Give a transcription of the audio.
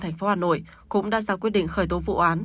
tp hà nội cũng đã ra quyết định khởi tố vụ án